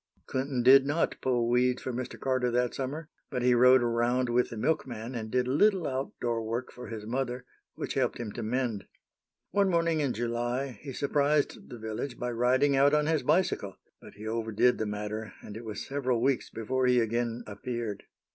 Clinton did not pull weeds for Mr. Carter that summer, but he rode around with the milkman, and did a little outdoor work for his mother, which helped him to mend. One morning in July he surprised the village by riding out on his bicycle; but he overdid the matter, and it was several weeks before he again appeared.